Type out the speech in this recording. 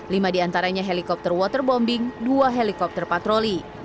lima di antaranya helikopter waterbombing dua helikopter patroli